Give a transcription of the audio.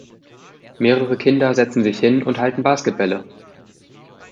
Mehrere Kinder setzen sich hin und halten Basketbälle